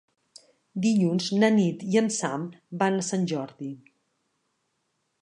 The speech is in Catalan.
Dilluns na Nit i en Sam van a Sant Jordi.